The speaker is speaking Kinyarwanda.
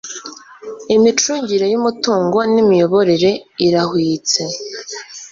imicungire y'umutungo n'imiyoborere irahwitse